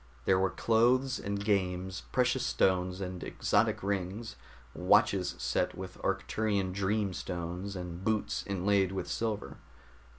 There were clothes and games, precious stones and exotic rings, watches set with Arcturian dream stones, and boots inlaid with silver.